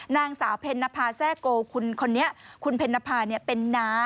นางสาวเพ็ญนภาแซ่โกคนนี้คุณเพ็ญนภาเป็นน้า